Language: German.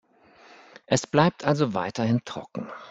Es bleibt also weiterhin trocken.